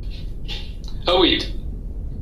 Awi-d!